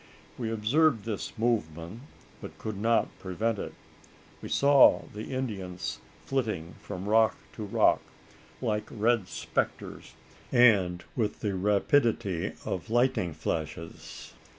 We observed this movement, but could not prevent it. We saw the Indians flitting from rock to rock, like red spectres, and with the rapidity of lightning flashes!